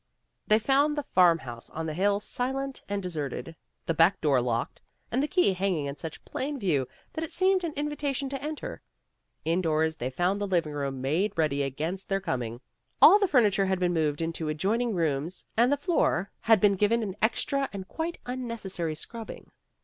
They found the farm house on the hill silent and deserted, the back door locked, and the key hanging in such plain view that it seemed an invitation to enter. Indoors they found the living room made ready against their coming. All the furniture had been moved into ad joining rooms and the floor had been given 56 PEGGY RAYMOND'S WAY an extra and quite unnecessary scrubbing.